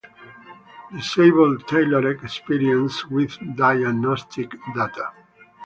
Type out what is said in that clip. Disable "Tailored Experiences" with diagnostic data.